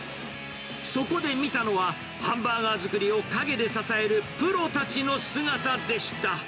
そこで見たのは、ハンバーガー作りを陰で支えるプロたちの姿でした。